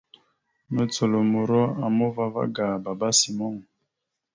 Nùcolomoro a uma ava ga baba simon.